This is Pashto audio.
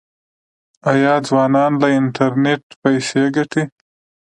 آیا ځوانان له انټرنیټ پیسې ګټي؟